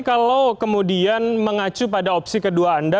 kalau kemudian mengacu pada opsi kedua anda